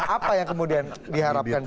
apa yang kemudian diharapkan